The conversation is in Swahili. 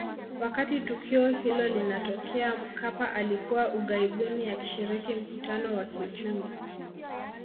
Wakati tukio hilo linatokea Mkapa alikuwa ughaibuni akishiriki mkutano wa kiuchumi